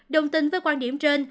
đồng tình với quan điểm trên